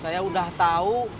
saya udah tau